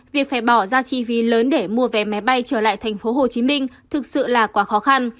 việc phải bỏ ra chi phí lớn để mua vé máy bay trở lại tp hcm thực sự là quá khó khăn